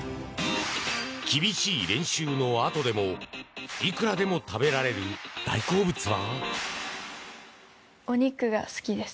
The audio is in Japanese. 厳しい練習のあとでもいくらでも食べられる大好物は？